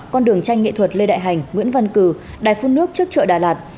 con đường tranh nghệ thuật lê đại hành nguyễn văn cử đài phun nước trước chợ đà lạt